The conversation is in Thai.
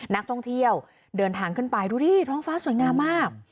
นักท่องเที่ยวเดินทางขึ้นไปดูดิท้องฟ้าสวยงามมาก